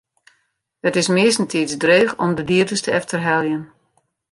It is meastentiids dreech om de dieders te efterheljen.